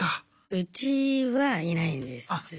うちはいないんですよ。